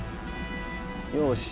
よし。